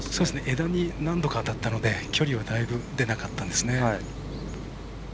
枝に何度か当たったので距離は出なかったです。